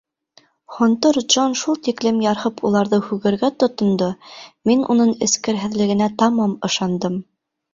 Һонтор Джон шул тиклем ярһып уларҙы һүгергә тотондо, мин уның эскерһеҙлегенә тамам ышандым.